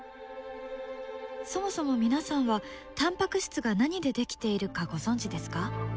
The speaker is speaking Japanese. そもそも皆さんはタンパク質が何で出来ているかご存じですか？